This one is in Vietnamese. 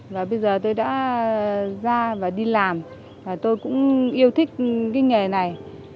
và bây giờ tôi đã ra và đi làm và tôi cũng yêu thích cái nghề này